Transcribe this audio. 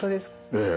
ええ。